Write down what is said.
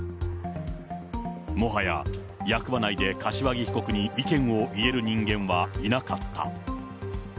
もはや役場内で柏木被告に意見を言える人間はいなかった。